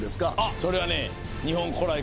それはね。